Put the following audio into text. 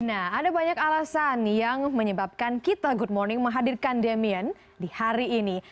nah ada banyak alasan yang menyebabkan kita good morning menghadirkan damien di hari ini